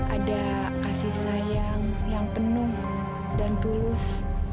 ada kasih sayang yang penuh dan tulus